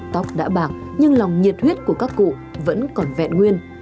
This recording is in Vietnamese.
tóc đã bạc nhưng lòng nhiệt huyết của các cụ vẫn còn vẹn nguyên